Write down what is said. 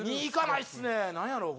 何やろう？